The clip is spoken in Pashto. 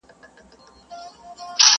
ته کم عقل ته کومول څومره ساده یې!.